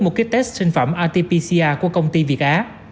mua kết test sinh phẩm rt pcr của công ty việt á